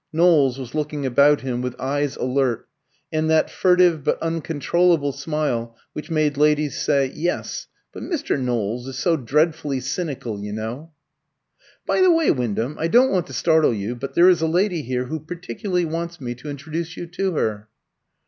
Knowles was looking about him with eyes alert, and that furtive but uncontrollable smile which made ladies say, "Yes; but Mr. Knowles is so dreadfully cynical, you know." "By the way, Wyndham I don't want to startle you, but there is a lady here who particularly wants me to introduce you to her."